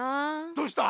どうした？